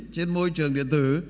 trên môi trường điện tử